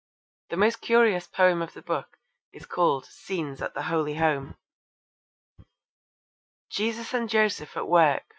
The most curious poem of the book is called Scenes at the Holy Home: Jesus and Joseph at work!